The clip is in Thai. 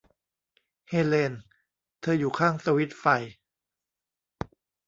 เฮเลน เธออยู่ข้างสวิตช์ไฟ